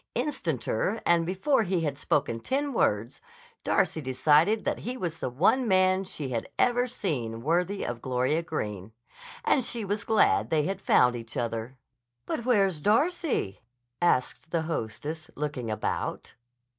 Instanter and before he had spoken ten words, Darcy decided that he was the one man she had ever seen worthy of Gloria Greene. And she was glad they had found each other. "But where's Darcy?" asked the hostess, looking about.